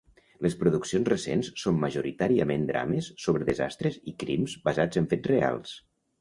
Les produccions recents són majoritàriament drames sobre desastres i crims basats en fets reals.